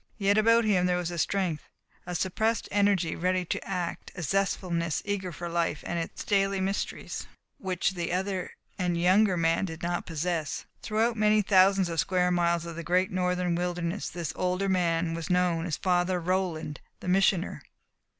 Yet about him there was a strength, a suppressed energy ready to act, a zestful eagerness for life and its daily mysteries which the other and younger man did not possess. Throughout many thousands of square miles of the great northern wilderness this older man was known as Father Roland, the Missioner.